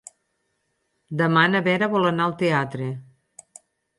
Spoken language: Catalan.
Demà na Vera vol anar al teatre.